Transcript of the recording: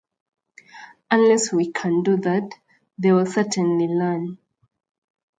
Unless we can do that, they will certainly land.